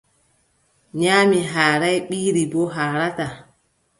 Nyaamii haaraay, ɓiiri boo haarataa.